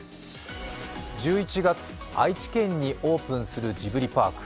１１月、愛知県にオープンするジブリパーク。